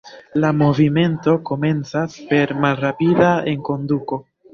La movimento komencas per malrapida enkonduko.